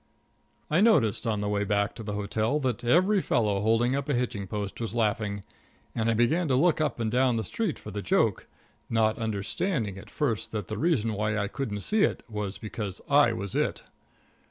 I noticed on the way back to the hotel that every fellow holding up a hitching post was laughing, and I began to look up and down the street for the joke, not understanding at first that the reason why I couldn't see it was because I was it.